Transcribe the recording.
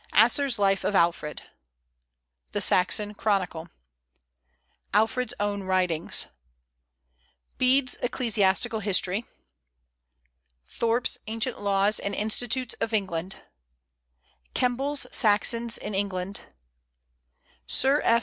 Asser's Life of Alfred; the Saxon Chronicle; Alfred's own writings; Bede's Ecclesiastical History; Thorpe's Ancient Laws and Institutes of England; Kemble's Saxons in England; Sir F.